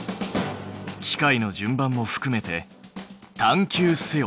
機械の順番もふくめて探究せよ！